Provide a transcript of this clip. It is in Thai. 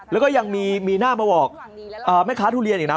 แล้วก็ยังมีหน้ามาบอกแม่ค้าทุเรียนอีกนะ